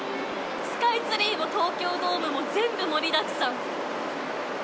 スカイツリーも東京ドームも全部盛りだくさん。